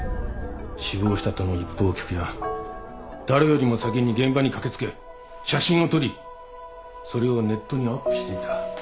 死亡したとの一報を聞くや誰よりも先に現場に駆け付け写真を撮りそれをネットにアップしていた。